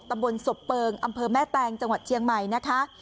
ตำบลสบเปิงอำเภอแม่แตงจังหวัดเชียงใหม่นะคะ